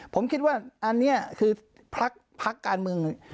ผมคิดว่าอันนี้คือพักการเมือง